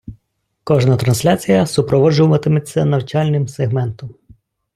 Кожна трансляція супроводжуватиметься навчальним сегментом.